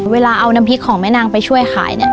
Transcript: เวลาเอาน้ำพริกของแม่นางไปช่วยขายเนี่ย